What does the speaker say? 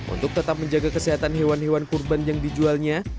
untuk tetap menjaga kesehatan hewan hewan kurban yang dijualnya